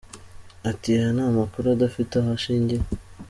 Ati "Aya ni amakuru adafite aho ashingiye.